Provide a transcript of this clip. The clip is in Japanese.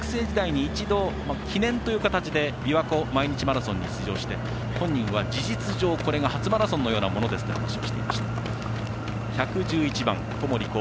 初マラソンではないんですが学生時代に一度、記念という形でびわ湖毎日マラソンに出場して本人は事実上これが初マラソンのようなものですと話していました。